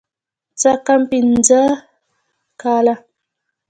څه کم پينځه کاله.